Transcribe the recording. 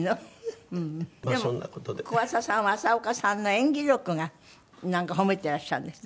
でも小朝さんは浅丘さんの演技力がなんか褒めてらっしゃるんですって？